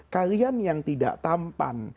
kalian yang tidak tampan